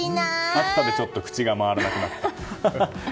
暑さでちょっと口が回らなくなってしまいました。